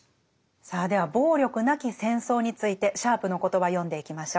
さあでは暴力なき「戦争」についてシャープの言葉読んでいきましょう。